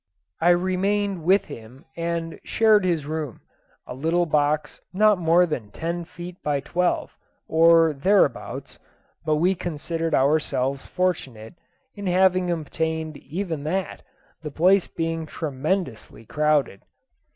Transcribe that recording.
I remained with him and shared his room a little box not more than ten feet by twelve, or thereabouts; but we considered ourselves fortunate in having obtained even that, the place being tremendously crowded.